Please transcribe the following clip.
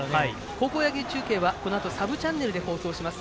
高校野球中継は、このあとサブチャンネルで放送します。